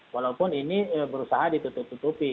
walaupun ini berusaha ditutup tutupi